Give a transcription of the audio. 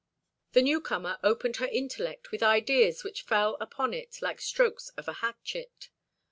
This newcomer opened her intellect with ideas which fell upon it like strokes of a hatchet.